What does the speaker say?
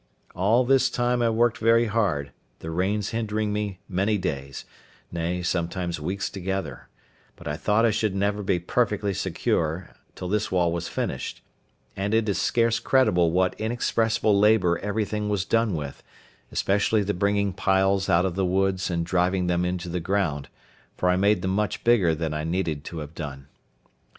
All this time I worked very hard, the rains hindering me many days, nay, sometimes weeks together; but I thought I should never be perfectly secure till this wall was finished; and it is scarce credible what inexpressible labour everything was done with, especially the bringing piles out of the woods and driving them into the ground; for I made them much bigger than I needed to have done.